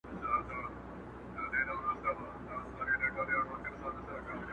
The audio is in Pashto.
o د تل لپاره.